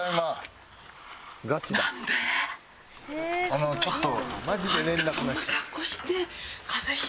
あのちょっと。